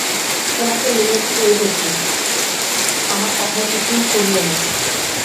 তোমাকে মিনতি করিতেছি- আমার কথায় কিছুই করিয়ো না।